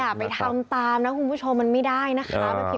อย่าไปทำตามนะคุณผู้ชมมันไม่ได้นะคะ